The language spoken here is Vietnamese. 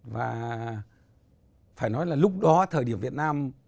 và phải nói là lúc đó thời điểm việt nam